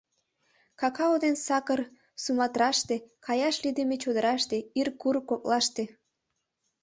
— Какао ден сакыр Суматраште, каяш лийдыме чодыраште, ир курык коклаште...